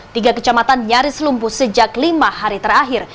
tiga kecamatan nyaris lumpuh sejak lima hari terakhir